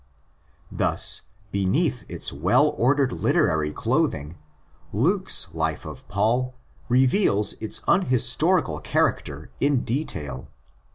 Thus, beneath its well ordered literary clothing, Luke's life of Paul reveals its unhistorical character in detail.